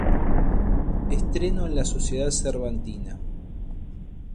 Estreno en la Sociedad Cervantina.